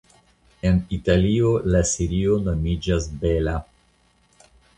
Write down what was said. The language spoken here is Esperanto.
En Italio la serio nomiĝas "Bela".